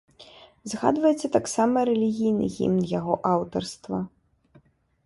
Згадваецца таксама рэлігійны гімн яго аўтарства.